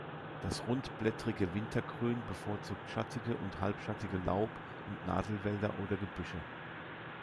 Das Rundblättrige Wintergrün bevorzugt schattige und halbschattige Laub- und Nadelwälder oder Gebüsche.